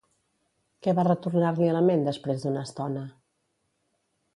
Què va retornar-li a la ment després d'una estona?